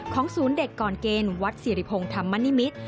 ศูนย์เด็กก่อนเกณฑ์วัดสิริพงศ์ธรรมนิมิตร